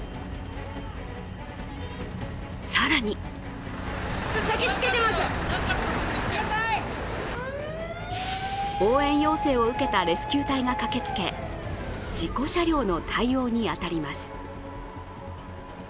更に応援要請を受けたレスキュー隊が駆けつけ事故車両の対応に当たります。